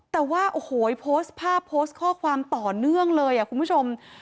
แต่ว่าโอ้โหโพสต์ภาพโพสต์ข้อความต่อเนื่องเลยคุณผู้ชม